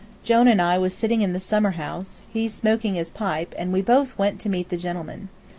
Jone and I was sitting in the summer house, he smoking his pipe, and we both went to meet the gentleman.